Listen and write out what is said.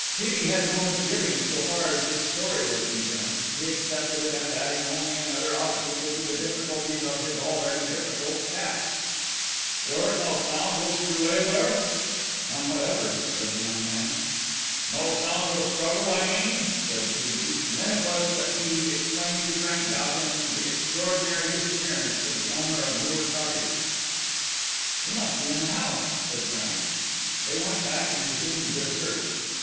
T. B. had no misgivings so far as this story was concerned; he accepted it as adding only another obstacle to the difficulties of his already difficult task. "You heard no sound whilst you lay there?" "None whatever," said the young man. "No sound of a struggle, I mean," said T. B., and then it was that he explained to Frank Doughton the extraordinary disappearance of the owner of Moor Cottage. "She must be in the house," said Frank. They went back and resumed their search.